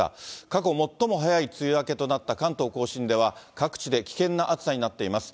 過去最も早い梅雨明けとなった関東甲信では、各地で危険な暑さになっています。